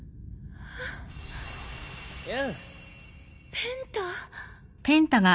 ペンタ。